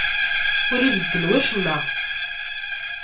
Ur ibeddel wacemma.